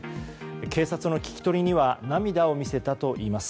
警察の聞き取りには涙を見せたといいます。